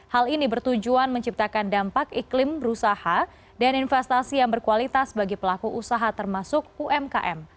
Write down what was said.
hal ini bertujuan menciptakan dampak iklim berusaha dan investasi yang berkualitas bagi pelaku usaha termasuk umkm